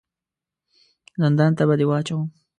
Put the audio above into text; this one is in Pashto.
زندان ته به دي واچوم !